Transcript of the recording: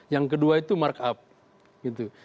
yang kedua itu mark up gitu